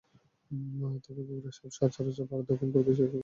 তবে গোখরা সাপ সচরাচর ভারত এবং দক্ষিণ-পূর্ব এশিয়ার অংশে দেখা যায়।